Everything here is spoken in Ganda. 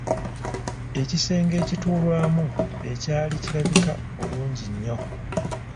Ekisenge ekituulwamu ekyali kirabika bulungi nnyo.